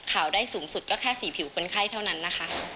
ได้สูงสุดก็แค่๔ผิวคนไข้เท่านั้นนะคะ